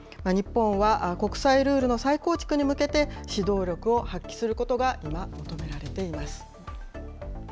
日本は国際ルールの再構築に向けて、指導力を発揮することが今、求められています。